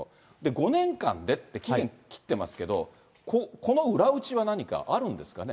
５年間でって期限切ってますけど、この裏打ちは何かあるんですかね。